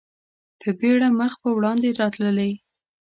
په بېړه مخ په وړاندې راتللې.